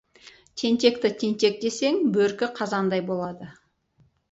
Тентекті тентек десең, бөркі қазандай болады.